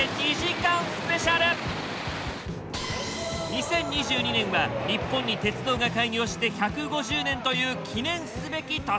２０２２年は日本に鉄道が開業して１５０年という記念すべき年。